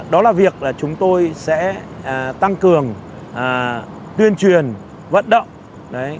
đó là việc là chúng tôi sẽ tăng cường tuyên truyền vận động